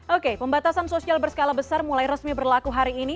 oke pembatasan sosial berskala besar mulai resmi berlaku hari ini